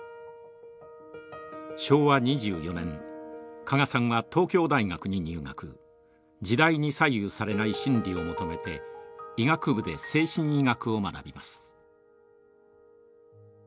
昭和２４年加賀さんは東京大学に入学時代に左右されない真理を求めて医学部で精神医学を学びます。